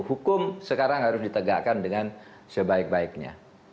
hukum sekarang harus ditegakkan dengan sebaik baiknya